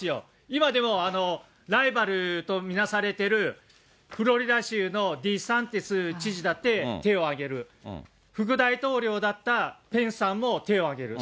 今でもライバルと見なされている、フロリダ州のデサンティス知事だって手を挙げる、副大統領だったペンスさんも手を挙げる。